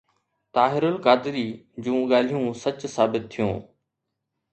طاهر القادري جون ڳالهيون سچ ثابت ٿيون.